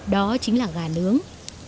đó chính là gà nướng